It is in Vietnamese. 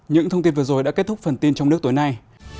những thông tin vừa rồi đã kết thúc phần tin trong nước tối nay